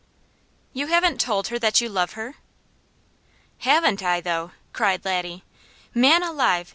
"You haven't told her that you love her?" "Haven't I though?" cried Laddie. "Man alive!